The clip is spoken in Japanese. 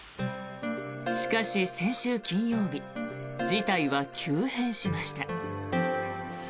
しかし、先週金曜日事態は急変しました。